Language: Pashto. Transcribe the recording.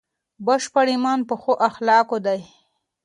بشپړ ایمان په ښو اخلاقو کې دی.